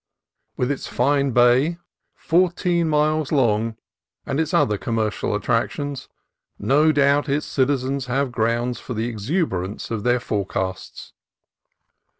With its fine bay, fourteen miles long, and its other commercial attractions, no doubt its citizens have grounds for the exuberance of their forecasts.